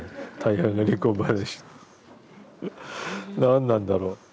何なんだろう。